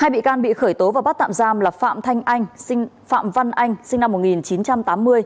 hai bị can bị khởi tố và bắt tạm giam là phạm thanh anh phạm văn anh sinh năm một nghìn chín trăm tám mươi